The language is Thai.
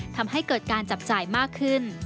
ทำให้เกิดการจับจ่ายมากขึ้น